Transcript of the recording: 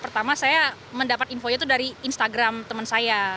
pertama saya mendapat infonya itu dari instagram teman saya